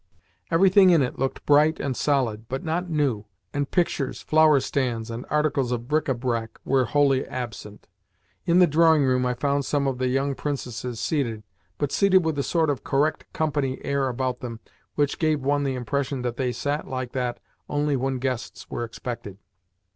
Everything in it looked bright and solid, but not new, and pictures, flower stands, and articles of bric a brac were wholly absent. In the drawing room I found some of the young princesses seated, but seated with the sort of correct, "company" air about them which gave one the impression that they sat like that only when guests were expected.